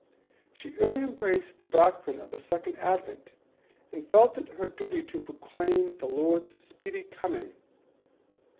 She early embraced the doctrine of the Second Advent, and felt it her duty to proclaim the Lord's speedy coming.